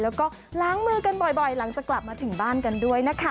แล้วก็ล้างมือกันบ่อยหลังจากกลับมาถึงบ้านกันด้วยนะคะ